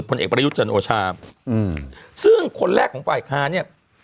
ผลเอกประยุทธ์จันทร์โอชาซึ่งคนแรกของปว่าอักษณะเนี่ย